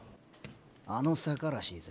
あの坂らしいぜ。